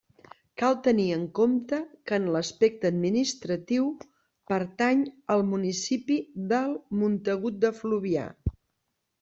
Cal tenir en compte que en l'aspecte administratiu pertany al municipi del Montagut de Fluvià.